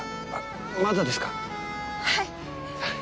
はい！